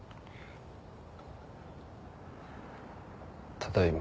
ただいま。